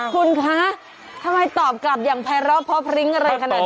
คุณคะทำไมตอบกลับอย่างภายรอบเพราะพริ้งอะไรขนาดนี้